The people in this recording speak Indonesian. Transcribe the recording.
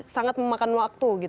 sangat memakan waktu